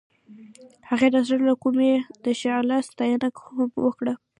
هغې د زړه له کومې د شعله ستاینه هم وکړه.